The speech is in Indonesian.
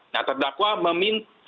nah terdakwa meminta